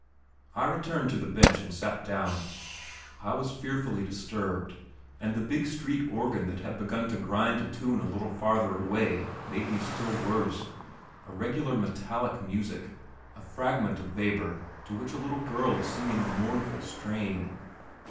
I returned to the bench and sat down. I was fearfully disturbed, and the big street organ that had begun to grind a tune a little farther away made me still worse a regular metallic music, a fragment of Weber, to which a little girl is singing a mournful strain.